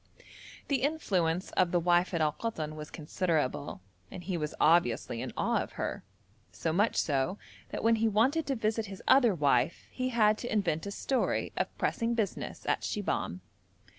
The influence of the wife at Al Koton was considerable, and he was obviously in awe of her, so much so that when he wanted to visit his other wife he had to invent a story of pressing business at Shibahm.